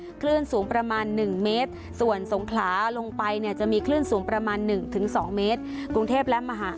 มีคลื่นสูงประมาณหนึ่งเมตรส่วนสงขลาลงไปเนี่ยจะมีคลื่นสูงประมาณหนึ่งถึงสองเมตรกรุงเทพและมหา